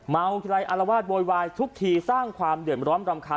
ทีไรอารวาสโวยวายทุกทีสร้างความเดือดร้อนรำคาญ